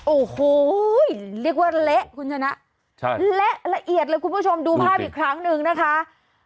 โอ้โหเรียกว่าเละคุณชนะเละละเอียดเลยคุณผู้ชมดูภาพอีกครั้งหนึ่งนะคะ